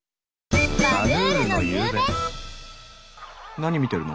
何見てるの？